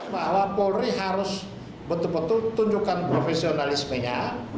bahwa polri harus betul betul tunjukkan profesionalismenya